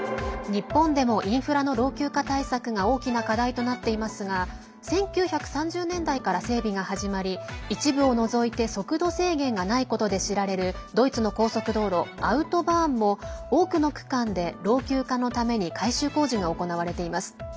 日本でもインフラの老朽化対策が大きな課題となっていますが１９３０年代から整備が始まり一部を除いて速度制限がないことで知られるドイツの高速道路アウトバーンも多くの区間で、老朽化のために改修工事が行われています。